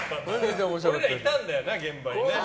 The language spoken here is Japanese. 俺らいたんだよな、現場に。